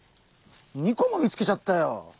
２個も見つけちゃったよ。